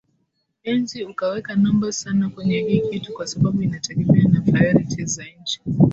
ezi ukaweka numbers sana kwenye hii kitu kwa sababu inategemea na priorities za nchi